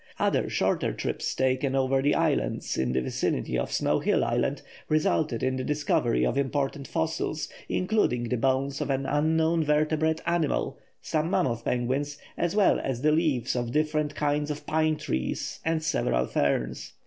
Other shorter trips taken over the islands in the vicinity of Snow Hill Island resulted in the discovery of important fossils, including the bones of an unknown vertebrate animal, some mammoth penguins, as well as the leaves of different kinds of pine trees and several ferns.